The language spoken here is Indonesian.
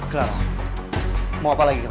clara mau apa lagi kamu